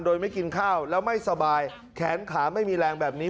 โดยไม่กินข้าวแล้วไม่สบายแขนขาไม่มีแรงแบบนี้